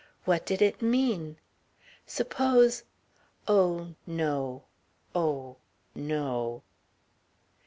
What did it mean? Suppose ... oh no; oh no!